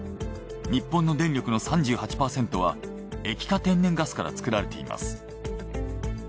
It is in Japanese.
日本の電力の３８％は液化天然ガスから作られています。